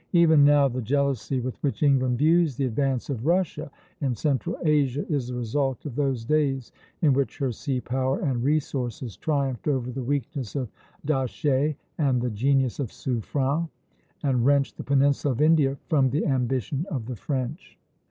Even now, the jealousy with which England views the advance of Russia in Central Asia is the result of those days in which her sea power and resources triumphed over the weakness of D'Aché and the genius of Suffren, and wrenched the peninsula of India from the ambition of the French.